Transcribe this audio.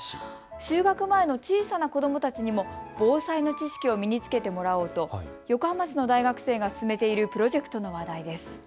就学前の小さな子どもたちにも防災の知識を身につけてもらおうと横浜市の大学生が進めているプロジェクトが話題です。